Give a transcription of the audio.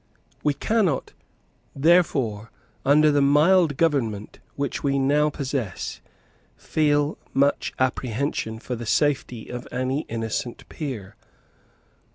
We cannot, therefore, under the mild government which we now possess, feel much apprehension for the safety of any innocent peer.